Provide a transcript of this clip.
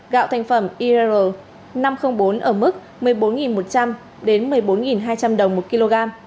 gạo thành phẩm ir năm trăm linh bốn ở mức một mươi bốn một trăm linh đến một mươi bốn hai trăm linh đồng một kg